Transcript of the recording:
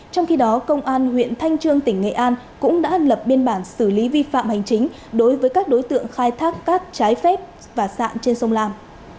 trong khi đó công an huyện thanh trương tỉnh nghệ an cũng đã lập biên bản xử lý vi phạm hành chính đối với các đối tượng khai thác cát trái phép và sạn trên sông lam